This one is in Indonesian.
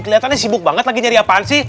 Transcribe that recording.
kelihatannya sibuk banget lagi nyari apaan sih